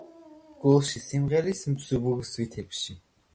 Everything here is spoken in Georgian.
გულში სიმღერის მსუბუქ ზვითებში